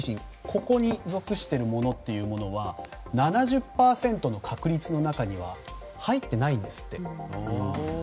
ここに属しているものというのは７０％の確率の中には入っていないんですって。